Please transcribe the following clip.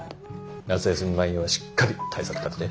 夏休み前にはしっかり対策立てて。